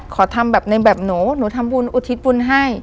ขอทำแบบในแบบหนูหนูทำบุญอุทิศบุญให้